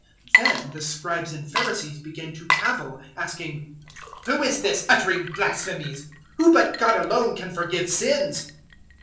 005:021 Then the Scribes and Pharisees began to cavil, asking, "Who is this, uttering blasphemies? Who but God alone can forgive sins?"